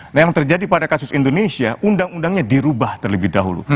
nah yang terjadi pada kasus indonesia undang undangnya dirubah terlebih dahulu